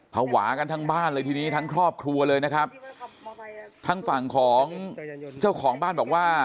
ภาวะกันทั้งบ้านเลยทีนี้ทั้งครอบครัวเลยนะครับทั้งฝั่งของเจ้าของบ้านบอกว่า